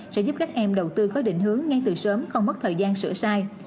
sẽ giúp các em đầu tư có định hướng ngay từ sớm không mất thời gian sửa sai